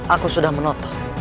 aku sudah menotong